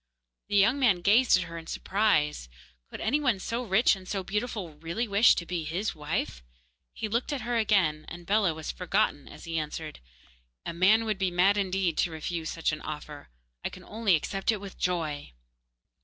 The young man gazed at her in surprise. Could any one so rich and so beautiful really wish to be his wife? He looked at her again, and Bellah was forgotten as he answered: 'A man would be mad indeed to refuse such an offer. I can only accept it with joy.